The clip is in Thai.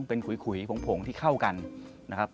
เป็นขุยผงผงที่เข้ากันนะครับ